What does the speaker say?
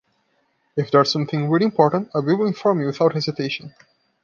If there is something really important, I will inform you without hesitation.